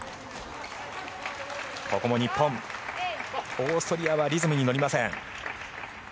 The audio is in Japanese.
オーストリアはリズムに乗りません。